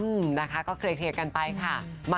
มันค่ะก็เครียงเทียบกันไปครับ